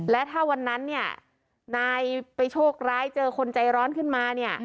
และถ้าวันนั้นเนี่ยนายไปโชคร้ายเจอคนใจร้อนขึ้นมาเนี่ย